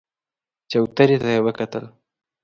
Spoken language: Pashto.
چوترې ته يې وکتل.